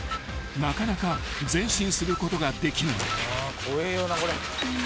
［なかなか前進することができない］